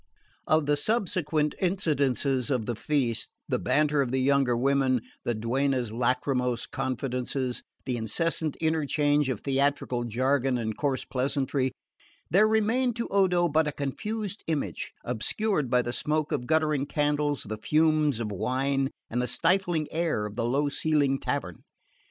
Of the subsequent incidents of the feast the banter of the younger women, the duenna's lachrymose confidences, the incessant interchange of theatrical jargon and coarse pleasantry there remained to Odo but a confused image, obscured by the smoke of guttering candles, the fumes of wine and the stifling air of the low ceilinged tavern.